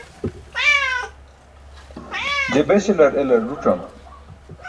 je beśalar elar ẓuc̣am